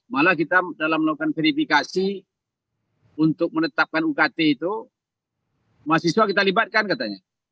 malah kita dalam melakukan verifikasi untuk menetapkan ukt itu mahasiswa kita libatkan katanya